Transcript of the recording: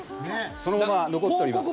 そのまま残っております。